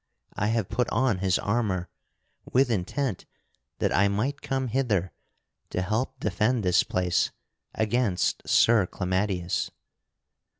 I have put on his armor with intent that I might come hither to help defend this place against Sir Clamadius."